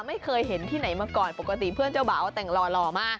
ไม่เคยเห็นที่ไหนมาก่อนปกติเพื่อนเจ้าบ่าวแต่งหล่อมาก